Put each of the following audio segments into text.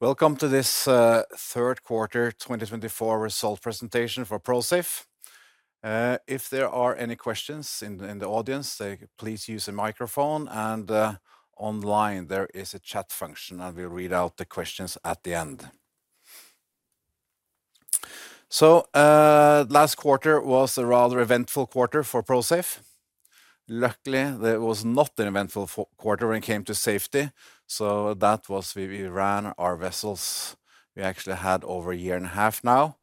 Welcome to this third quarter 2024 results presentation for Prosafe. If there are any questions in the audience, please use a microphone, and online there is a chat function, and we'll read out the questions at the end. Last quarter was a rather eventful quarter for Prosafe. Luckily, there was not an eventful quarter when it came to safety. That was. We ran our vessels. We actually had over a year and a half now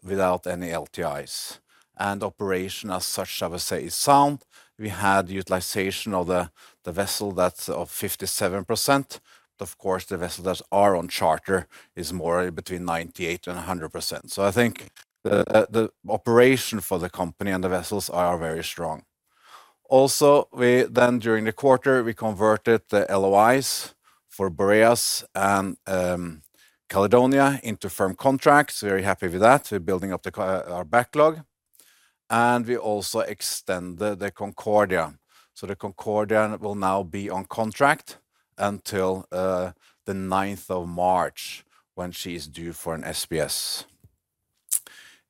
without any LTIs. Operation as such, I would say, is sound. We had utilization of the vessels that was 57%. Of course, the vessels that are on charter were more between 98%-100%. The operation for the company and the vessels is very strong. Also, then during the quarter, we converted the LOIs for Boreas and Caledonia into firm contracts. Very happy with that. We're building up our backlog, and we also extended the Concordia so the Concordia will now be on contract until the 9th of March when she is due for an SPS.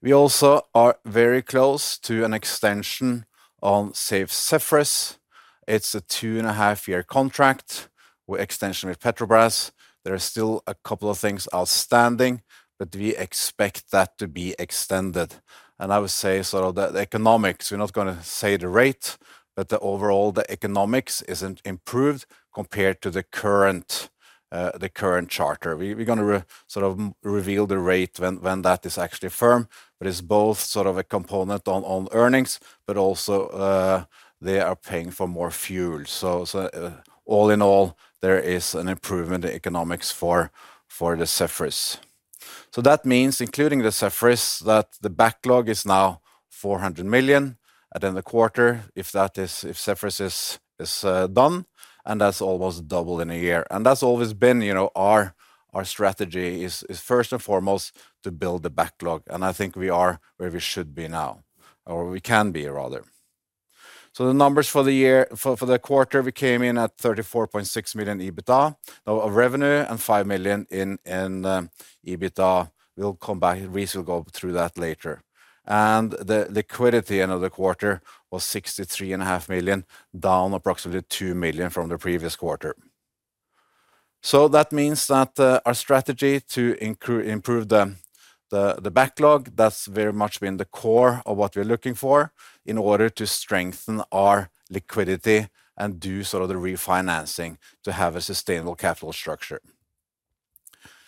We also are very close to an extension on Safe Zephyrus. It's a two and a half year contract with extension with Petrobras. There are still a couple of things outstanding, but we expect that to be extended, and I would say sort of the economics, we're not going to say the rate, but overall the economics isn't improved compared to the current charter. We're going to sort of reveal the rate when that is actually firm, but it's both sort of a component on earnings, but also they are paying for more fuel, so all in all, there is an improvement in economics for the Zephyrus. That means, including the Zephyrus, that the backlog is now $400 million at the end of the quarter if Zephyrus is done, and that's almost doubled in a year. That's always been our strategy is first and foremost to build the backlog, and I think we are where we should be now, or we can be rather. The numbers for the quarter, we came in at $34.6 million EBITDA of revenue and $5 million in EBITDA. We'll come back, Reese will go through that later. The liquidity end of the quarter was $63.5 million, down approximately $2 million from the previous quarter. That means that our strategy to improve the backlog, that's very much been the core of what we're looking for in order to strengthen our liquidity and do sort of the refinancing to have a sustainable capital structure.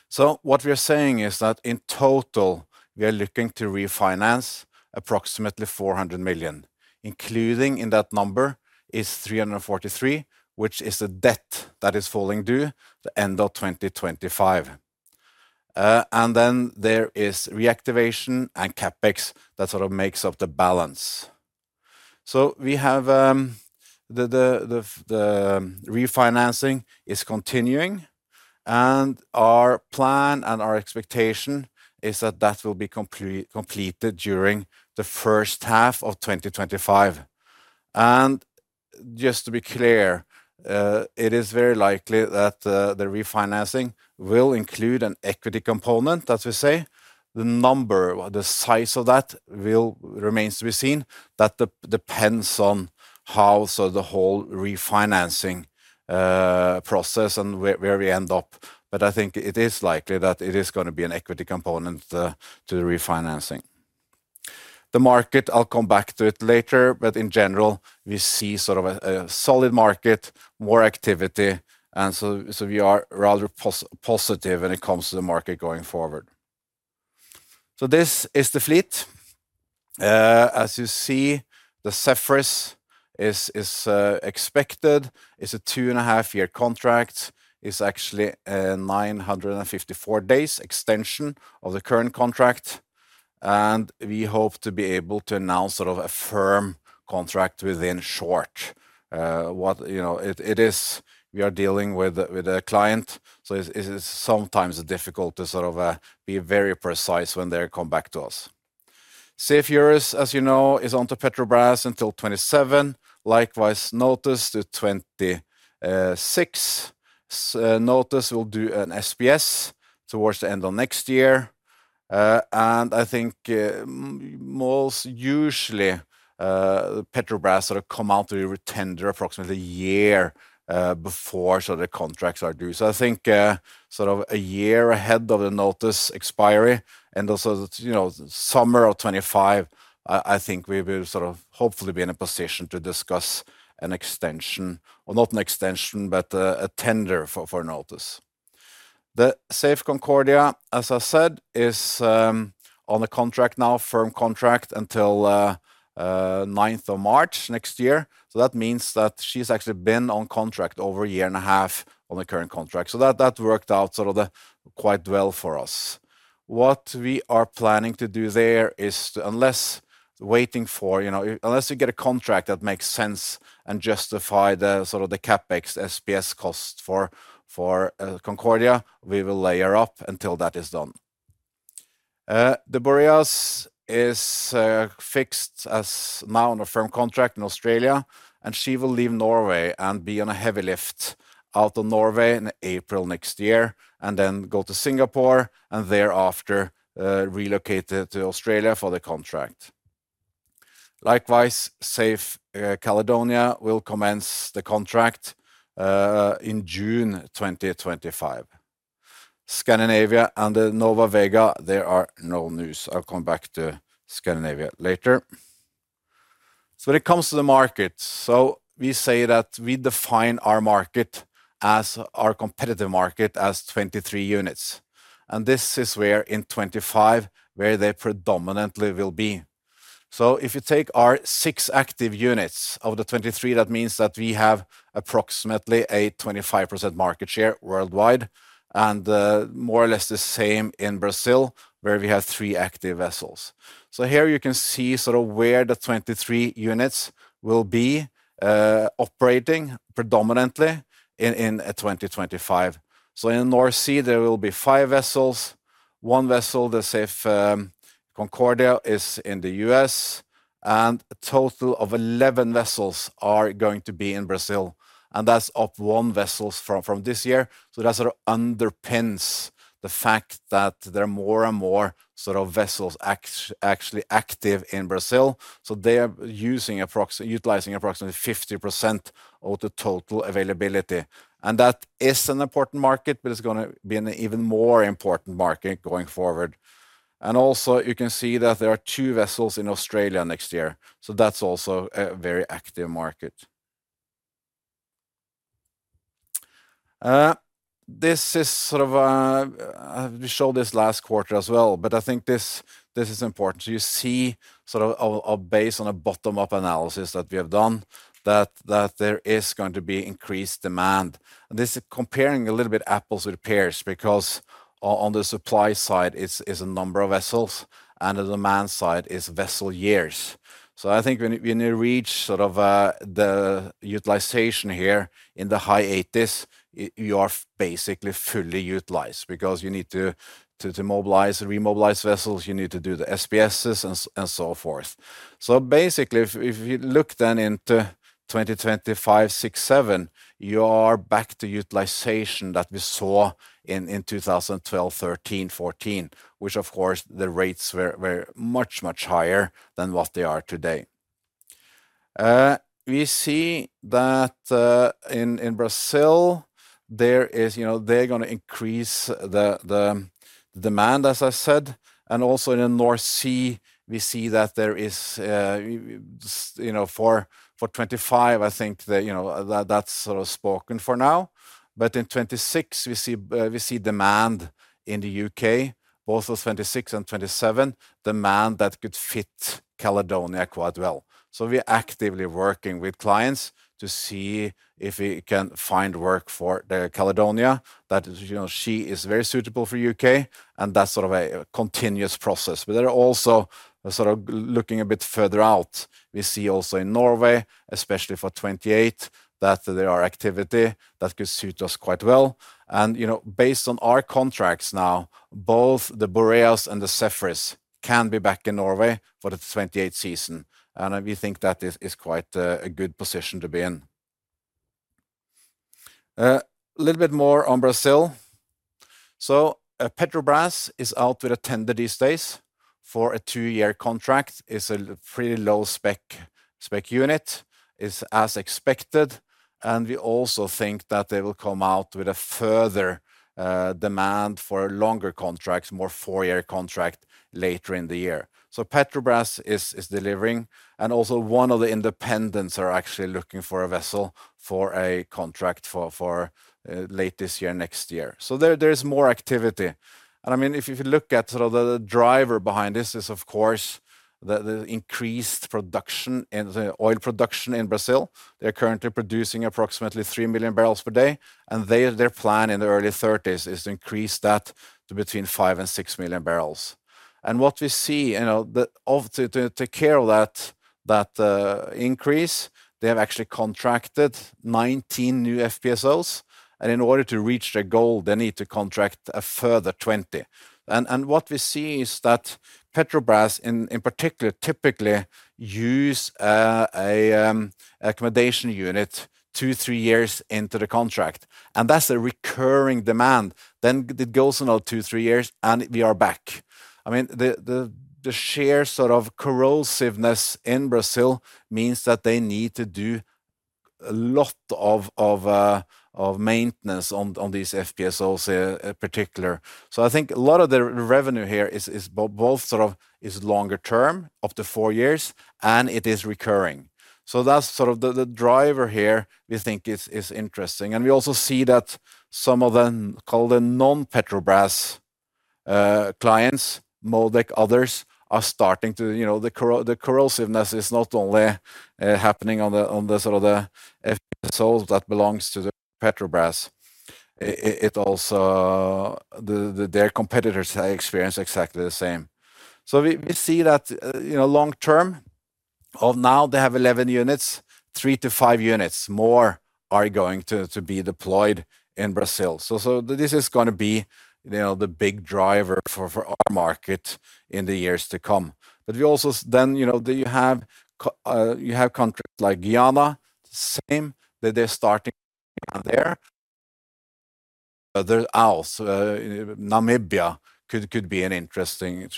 So, what we are saying is that in total, we are looking to refinance approximately $400 million, including in that number is $343 million, which is the debt that is falling due the end of 2025. And then there is reactivation and CapEx that sort of makes up the balance. So, we have the refinancing is continuing, and our plan and our expectation is that that will be completed during the first half of 2025. And just to be clear, it is very likely that the refinancing will include an equity component, as we say. The number, the size of that remains to be seen. That depends on how the whole refinancing process and where we end up. But I think it is likely that it is going to be an equity component to the refinancing. The market, I'll come back to it later, but in general, we see sort of a solid market, more activity, and so we are rather positive when it comes to the market going forward. This is the fleet. As you see, the Safe Zephyrus is expected, is a two and a half year contract, is actually a 954 days extension of the current contract. We hope to be able to announce sort of a firm contract within short. It is, we are dealing with a client, so it is sometimes difficult to sort of be very precise when they come back to us. Safe Eurus, as you know, is with Petrobras until 2027. Likewise, Safe Notos to 2026. Safe Notos will do an SPS towards the end of next year. I think most usually Petrobras will come out to the tender approximately a year before the contracts are due. I think sort of a year ahead of the Notos expiry and also summer of 2025, I think we will sort of hopefully be in a position to discuss an extension, or not an extension, but a tender for Notos. The Safe Concordia, as I said, is on a contract now, firm contract until 9th of March next year. That means that she's actually been on contract over a year and a half on the current contract. That worked out sort of quite well for us. What we are planning to do there is to, unless you get a contract that makes sense and justify the CapEx SPS cost for Concordia, we will lay up until that is done. Safe Boreas is fixed as of now on a firm contract in Australia, and she will leave Norway and be on a heavy lift out of Norway in April next year and then go to Singapore and thereafter relocate to Australia for the contract. Likewise, Safe Caledonia will commence the contract in June 2025. Safe Scandinavia and the Nova, Vega, there are no news. I'll come back to Safe Scandinavia later. When it comes to the market, we say that we define our market as our competitive market as 23 units. This is where in 2025, where they predominantly will be. If you take our six active units of the 23, that means that we have approximately a 25% market share worldwide and more or less the same in Brazil where we have three active vessels. So here you can see sort of where the 23 units will be operating predominantly in 2025. In the North Sea, there will be five vessels. One vessel, the Safe Concordia, is in the U.S., and a total of 11 vessels are going to be in Brazil. That's up one vessel from this year. That sort of underpins the fact that there are more and more sort of vessels actually active in Brazil. They are utilizing approximately 50% of the total availability. That is an important market, but it's going to be an even more important market going forward. Also you can see that there are two vessels in Australia next year. That's also a very active market. This is sort of; we showed this last quarter as well, but I think this is important. You see sort of a base on a bottom-up analysis that we have done that there is going to be increased demand, and this is comparing a little bit apples with pears because on the supply side is a number of vessels and the demand side is vessel years, so I think when you reach sort of the utilization here in the high 80s, you are basically fully utilized because you need to mobilize and remobilize vessels. You need to do the SPSs and so forth, so basically, if you look then into 2025, 2026, 2027, you are back to utilization that we saw in 2012, 2013, 2014, which of course the rates were much, much higher than what they are today. We see that in Brazil, they're going to increase the demand, as I said. Also in the North Sea, we see that there is for 2025, I think that's sort of spoken for now. But in 2026, we see demand in the U.K., both of 2026 and 2027, demand that could fit Caledonia quite well. So we're actively working with clients to see if we can find work for Caledonia that she is very suitable for the U.K. And that's sort of a continuous process. But they're also sort of looking a bit further out. We see also in Norway, especially for 2028, that there are activity that could suit us quite well. And based on our contracts now, both the Boreas and the Zephyrus can be back in Norway for the 2028 season. And we think that is quite a good position to be in. A little bit more on Brazil. Petrobras is out with a tender these days for a two-year contract. It's a pretty low spec unit. It's as expected. We also think that they will come out with a further demand for longer contracts, more four-year contract later in the year. Petrobras is delivering. One of the independents is actually looking for a vessel for a contract for late this year, next year. There is more activity. I mean, if you look at sort of the driver behind this is, of course, the increased production in oil production in Brazil. They're currently producing approximately three million barrels per day. Their plan in the early 30s is to increase that to between five and six million barrels. What we see, to take care of that increase, they have actually contracted 19 new FPSOs. And in order to reach their goal, they need to contract a further 20. And what we see is that Petrobras, in particular, typically use an accommodation unit two, three years into the contract. And that's a recurring demand. Then it goes another two, three years, and we are back. I mean, the sheer sort of corrosiveness in Brazil means that they need to do a lot of maintenance on these FPSOs in particular. So I think a lot of the revenue here is both sort of longer term, up to four years, and it is recurring. So that's sort of the driver here we think is interesting. And we also see that some of the non-Petrobras clients, MODEC, others are starting to, the corrosiveness is not only happening on the sort of the FPSOs that belongs to the Petrobras. It also, their competitors experience exactly the same. So we see that long term, now they have 11 units, three to five units more are going to be deployed in Brazil. So this is going to be the big driver for our market in the years to come. But we also then, you have contracts like Guyana, the same, that they're starting there. There's also, Namibia could be an interesting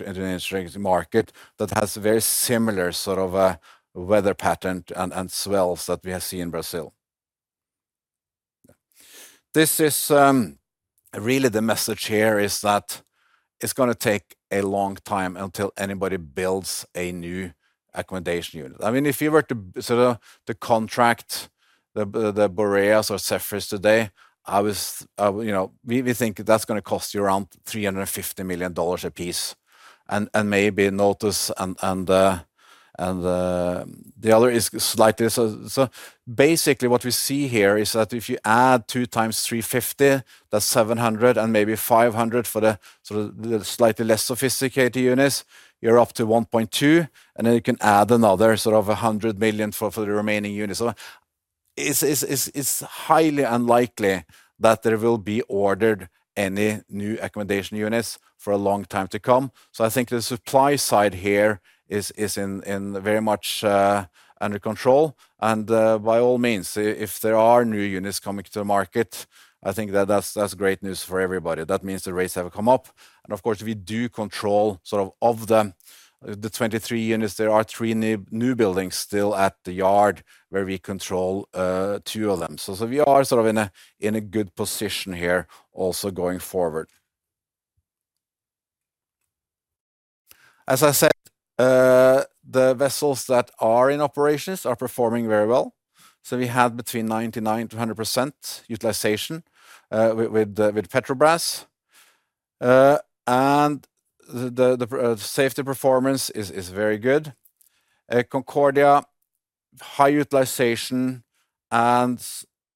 market that has a very similar sort of weather pattern and swells that we have seen in Brazil. This is really the message here is that it's going to take a long time until anybody builds a new accommodation unit. I mean, if you were to sort of contract the Boreas or Zephyrus today, we think that's going to cost you around $350 million apiece. And maybe Notos and the Eurus is slightly. So basically what we see here is that if you add two times $350 million, that's $700 million and maybe $500 million for the sort of slightly less sophisticated units, you're up to $1.2 billion. And then you can add another sort of $100 million for the remaining units. So it's highly unlikely that there will be ordered any new accommodation units for a long time to come. So I think the supply side here is very much under control. And by all means, if there are new units coming to the market, I think that's great news for everybody. That means the rates have come up. And of course, we do control sort of of the 23 units. There are three new buildings still at the yard where we control two of them. So we are sort of in a good position here also going forward. As I said, the vessels that are in operations are performing very well, so we had between 99%-100% utilization with Petrobras, and the safety performance is very good. Concordia, high utilization, and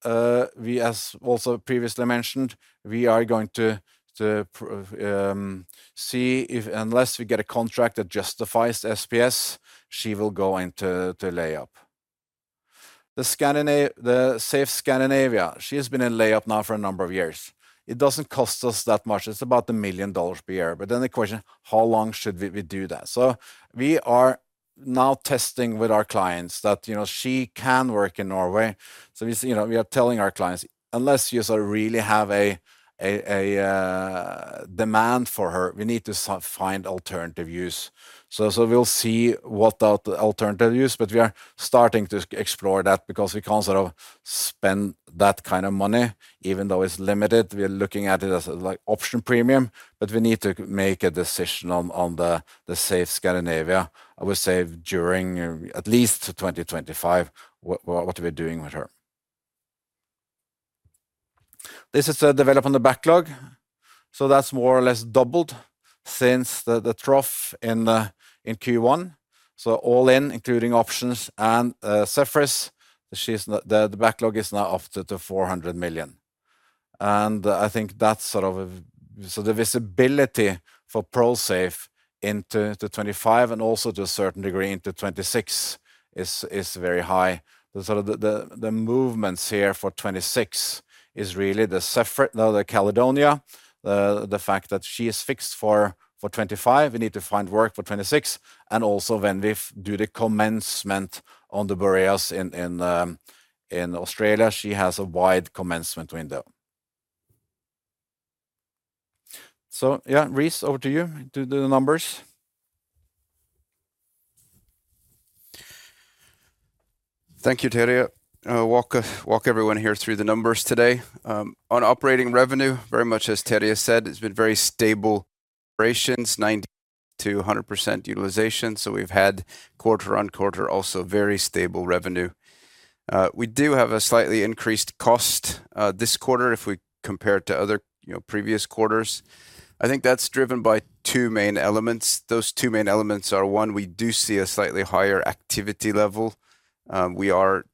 as also previously mentioned, we are going to see if unless we get a contract that justifies SPS, she will go into layup. The Safe Scandinavia, she has been in layup now for a number of years. It doesn't cost us that much. It's about $1 million per year, but then the question, how long should we do that, so we are now testing with our clients that she can work in Norway, so we are telling our clients, unless you sort of really have a demand for her, we need to find alternative use. So we'll see what the alternative use is, but we are starting to explore that because we can't sort of spend that kind of money, even though it's limited. We're looking at it as an option premium, but we need to make a decision on the Safe Scandinavia. I would say during at least 2025, what we're doing with her. This is a development of backlog. So that's more or less doubled since the trough in Q1. So all in, including options and Zephyrus. The backlog is now up to $400 million. And I think that's sort of the visibility for Prosafe into 2025 and also to a certain degree into 2026 is very high. The movements here for 2026 is really the Zephyrus, now the Caledonia, the fact that she is fixed for 2025, we need to find work for 2026. And also when we do the commencement on the Boreas in Australia, she has a wide commencement window. So yeah, Reese, over to you to do the numbers. Thank you, Terje. Walk everyone here through the numbers today. On operating revenue, very much as Terje said, it's been very stable operations, 90%-100% utilization. So we've had quarter on quarter also very stable revenue. We do have a slightly increased cost this quarter if we compare it to other previous quarters. I think that's driven by two main elements. Those two main elements are one, we do see a slightly higher activity level. We are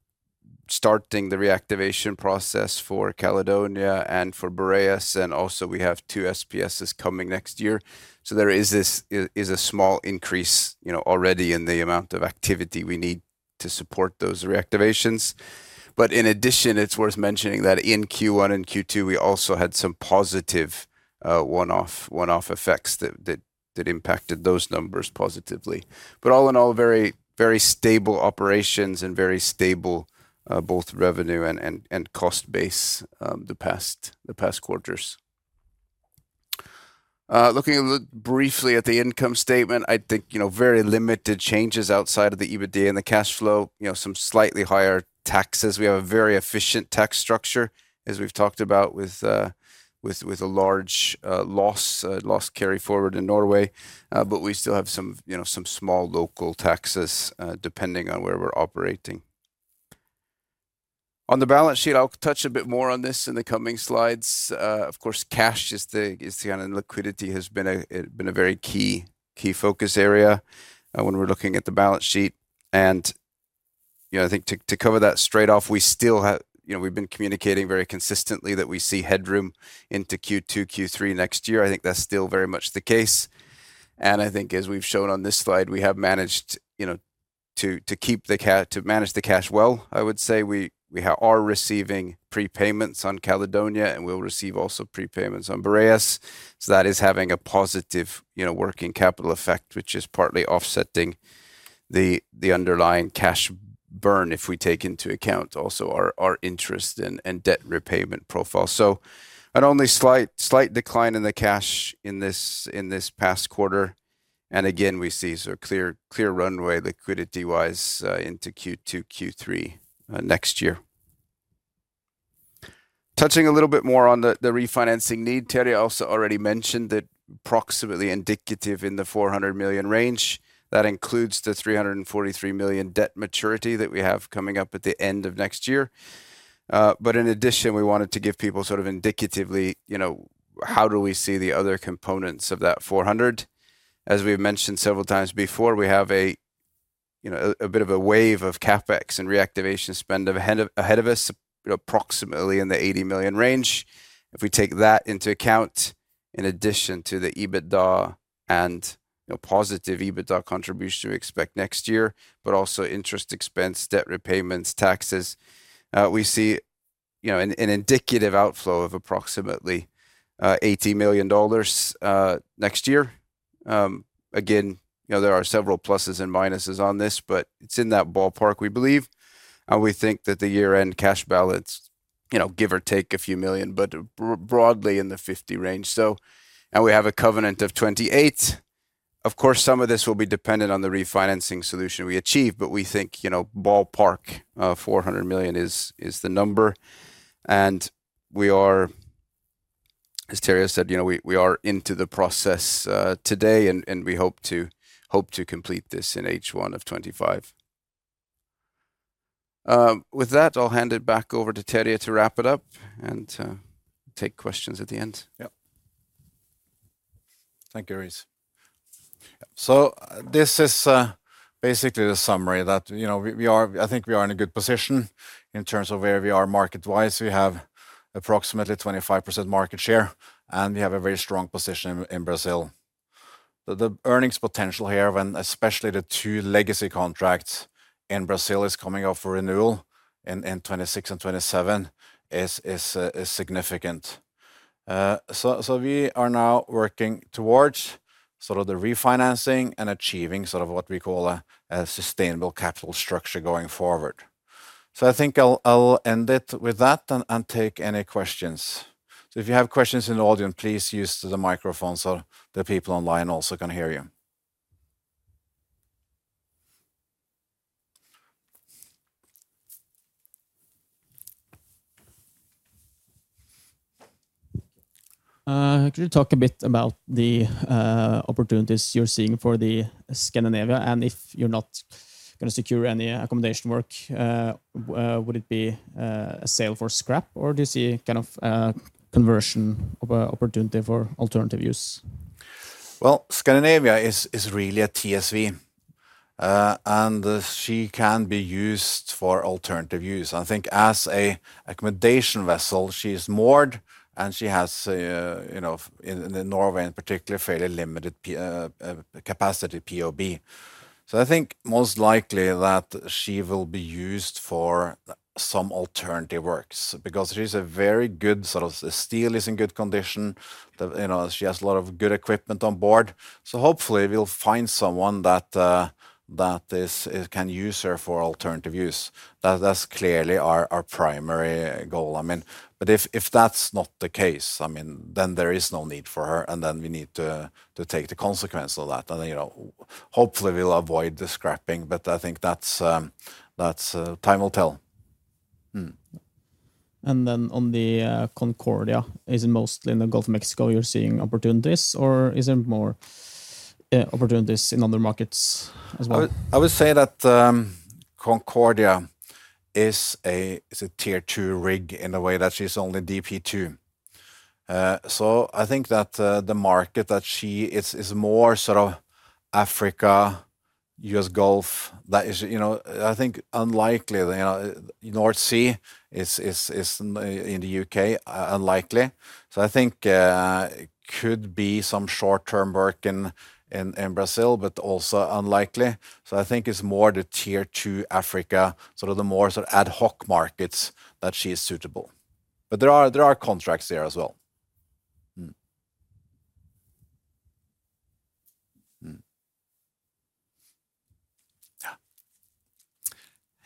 starting the reactivation process for Caledonia and for Boreas. And also we have two SPSs coming next year. So there is a small increase already in the amount of activity we need to support those reactivations. But in addition, it's worth mentioning that in Q1 and Q2, we also had some positive one-off effects that impacted those numbers positively. But all in all, very stable operations and very stable both revenue and cost base in the past quarters. Looking briefly at the income statement, I think very limited changes outside of the EBITDA and the cash flow. Some slightly higher taxes. We have a very efficient tax structure, as we've talked about, with a large loss carry forward in Norway. But we still have some small local taxes depending on where we're operating. On the balance sheet, I'll touch a bit more on this in the coming slides. Of course, cash, the kind of liquidity, has been a very key focus area when we're looking at the balance sheet. I think to cover that straight off, we still have. We've been communicating very consistently that we see headroom into Q2, Q3 next year. I think that's still very much the case. I think as we've shown on this slide, we have managed to keep the cash, to manage the cash well, I would say. We are receiving prepayments on Caledonia and we'll receive also prepayments on Boreas. So that is having a positive working capital effect, which is partly offsetting the underlying cash burn if we take into account also our interest and debt repayment profile. So an only slight decline in the cash in this past quarter. Again, we see a clear runway liquidity-wise into Q2, Q3 next year. Touching a little bit more on the refinancing need, Terje also already mentioned that approximately indicative in the $400 million range. That includes the $343 million debt maturity that we have coming up at the end of next year. But in addition, we wanted to give people sort of indicatively how do we see the other components of that 400. As we've mentioned several times before, we have a bit of a wave of CapEx and reactivation spend ahead of us, approximately in the $80 million range. If we take that into account, in addition to the EBITDA and positive EBITDA contribution we expect next year, but also interest expense, debt repayments, taxes, we see an indicative outflow of approximately $80 million next year. Again, there are several pluses and minuses on this, but it's in that ballpark, we believe. And we think that the year-end cash balance, give or take a few million, but broadly in the $50 million range. And we have a covenant of $28 million. Of course, some of this will be dependent on the refinancing solution we achieve, but we think ballpark $400 million is the number. And we are into the process today, and we hope to complete this in H1 of 2025. With that, I'll hand it back over to Terje to wrap it up and take questions at the end. Yeah. Thank you, Reese. So this is basically the summary that I think we are in a good position in terms of where we are market-wise. We have approximately 25% market share, and we have a very strong position in Brazil. The earnings potential here, when especially the two legacy contracts in Brazil are coming up for renewal in 2026 and 2027, is significant. So we are now working towards sort of the refinancing and achieving sort of what we call a sustainable capital structure going forward. I think I'll end it with that and take any questions. If you have questions in the audience, please use the microphone so the people online also can hear you. Could you talk a bit about the opportunities you're seeing for the Scandinavia? And if you're not going to secure any accommodation work, would it be a sale for scrap, or do you see kind of conversion of an opportunity for alternative use? Scandinavia is really a TSV, and she can be used for alternative use. I think as an accommodation vessel, she is moored, and she has in Norway, in particular, fairly limited capacity POB. So I think most likely that she will be used for some alternative works because she's a very good sort of steel is in good condition. She has a lot of good equipment on board. Hopefully we'll find someone that can use her for alternative use. That's clearly our primary goal. I mean, but if that's not the case, I mean, then there is no need for her, and then we need to take the consequence of that. Hopefully we'll avoid the scrapping, but I think time will tell. On the Concordia, is it mostly in the Gulf of Mexico you're seeing opportunities, or is there more opportunities in other markets as well? I would say that Concordia is a tier two rig in a way that she's only DP2. I think that the market that she is more sort of Africa, US Gulf, that is, I think, unlikely. The North Sea is in the UK, unlikely. I think it could be some short-term work in Brazil, but also unlikely. So I think it's more the tier two Africa, sort of the more sort of ad hoc markets that she's suitable. But there are contracts there as well.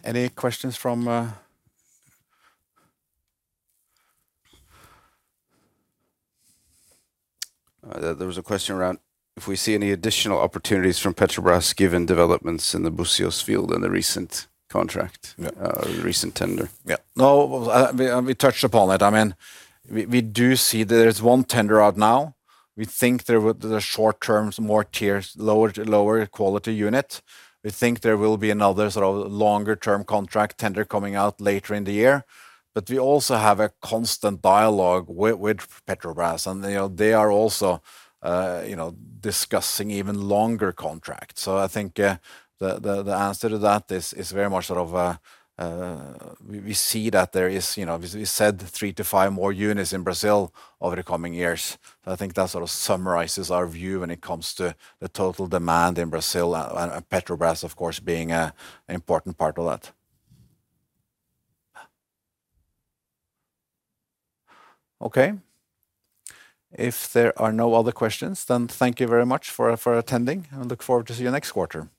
Yeah. Any questions from there? Was a question around if we see any additional opportunities from Petrobras given developments in the Búzios field in the recent contract, recent tender. Yeah. No, we touched upon it. I mean, we do see that there's one tender out now. We think there were the short-terms, more tiers, lower quality unit. We think there will be another sort of longer-term contract tender coming out later in the year. But we also have a constant dialogue with Petrobras, and they are also discussing even longer contracts. So I think the answer to that is very much sort of we see that there is, we said, three to five more units in Brazil over the coming years. I think that sort of summarizes our view when it comes to the total demand in Brazil and Petrobras, of course, being an important part of that. Okay. If there are no other questions, then thank you very much for attending, and look forward to see you next quarter.